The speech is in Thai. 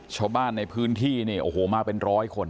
ชาวบ้านในพื้นที่เนี่ยโอ้โหมาเป็นร้อยคน